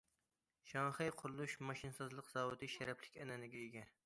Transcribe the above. شاڭخەي قۇرۇلۇش ماشىنىسازلىق زاۋۇتى شەرەپلىك ئەنئەنىگە ئىگە.